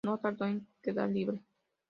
No tardó en quedar libre.